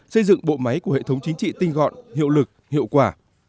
xây dựng bộ máy của hệ thống chính trị tinh gọn hiệu lực hiệu quả